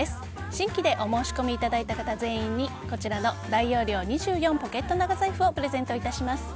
新規でお申し込みいただいた方全員に、こちらの大容量２４ポケット長財布をプレゼントいたします。